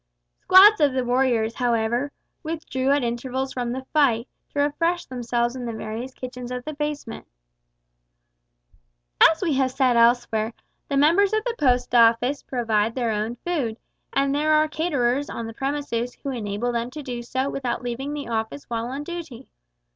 Squads of the warriors, however, withdrew at intervals from the fight, to refresh themselves in the various kitchens of the basement. As we have said elsewhere, the members of the Post Office provide their own food, and there are caterers on the premises who enable them to do so without leaving the Office while on duty.